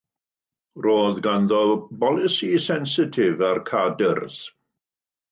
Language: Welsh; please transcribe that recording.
Roedd ganddo bolisi sensitif ar cadres.